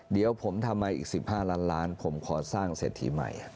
เดี๋ยวผมทำไมอีก๑๕ล้านล้านผมขอสร้างเศรษฐีใหม่